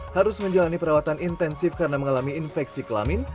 harus menjalani perawatan intensif karena mengalami infeksi kelamin